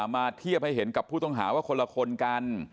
มาเทียบให้เห็นกับผู้ต้องหาว่าคนละคนกัน